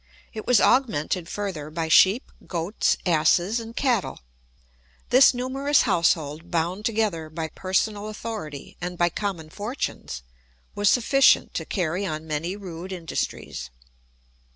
It was augmented further by sheep, goats, asses, and cattle. This numerous household, bound together by personal authority and by common fortunes, was sufficient to carry on many rude industries.